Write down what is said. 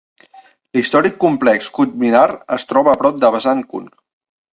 L'històric complex Qutb Minar es troba a prop de Vasant Kunj.